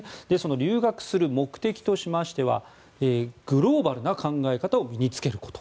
留学する目的としましてはグローバルな考え方を身につけること。